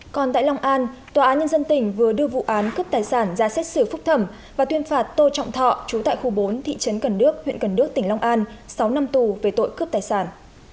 còn tại long an tòa án nhân dân tỉnh vừa đưa vụ án cướp tài sản ra xét xử phúc thẩm và tuyên phạt tô trọng thọ chú tại khu bốn thị trấn cần đước huyện cần đước tỉnh long an sáu năm tù về tội cướp tài sản